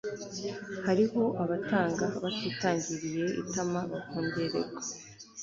hariho abatanga batitangiriye itama bakongererwa